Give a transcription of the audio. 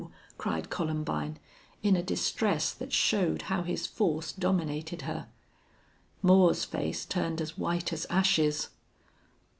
cried Columbine, in a distress that showed how his force dominated her. Moore's face turned as white as ashes.